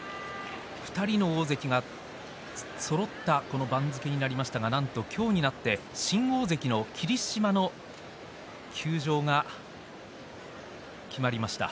２人の大関がそろったこの番付になりましたらなんと今日になって新大関の霧島の休場が決まりました。